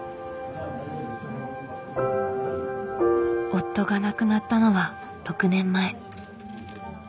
夫が亡くなったのは６年前。